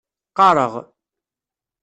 Qqareɣ.